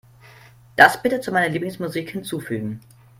Das bitte zu meiner Lieblingsmusik hinzufügen.